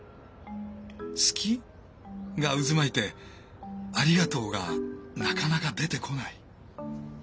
「好き？」が渦巻いて「ありがとう」がなかなか出てこない。